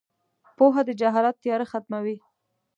• پوهه د جهالت تیاره ختموي.